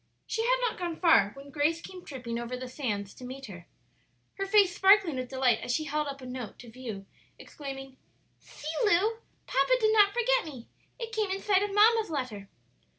She had not gone far when Grace came tripping over the sands to meet her, her face sparkling with delight as she held up a note to view, exclaiming, "See, Lu! papa did not forget me; it came inside of mamma's letter."